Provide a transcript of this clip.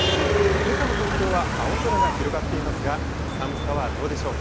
けさの東京は青空が広がっていますが、寒さはどうでしょうか。